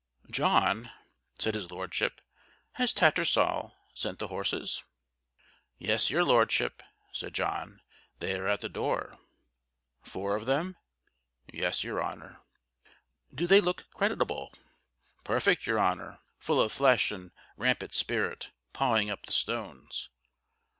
"John," said his Lordship, "has Tattersall sent the horses?" "Yes, your Lordship," said John, "they are at the door?" "Four of them?" "Yes, your honour." "Do they look creditable?" "Perfect, your honour! Full of flesh and rampart spirit, pawing up the stones."